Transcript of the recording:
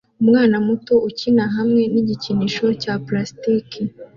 Umwana muto ukina hamwe nigikinisho cya plastiki